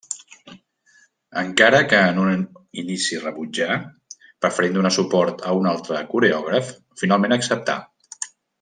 Encara que en un inici rebutjà, preferint donar suport a un altre coreògraf, finalment acceptà.